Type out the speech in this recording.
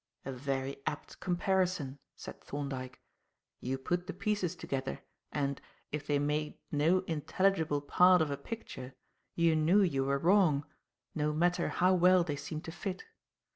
"A very apt comparison," said Thorndyke. "You put the pieces together, and, if they made no intelligible part of a picture, you knew you were wrong, no matter how well they seemed to fit.